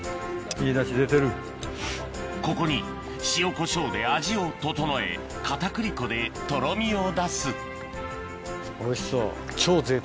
ここに塩コショウで味を調え片栗粉でとろみを出すおいしそう。